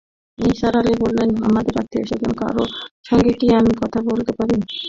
নিসার আলি বললেন, এদের আত্মীয়স্বজন কারো সঙ্গে কি আমি কথা বলতে পারি?